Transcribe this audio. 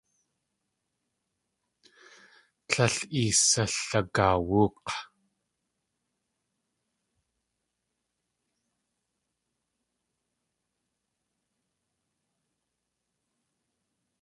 Líl isalagaawúk̲!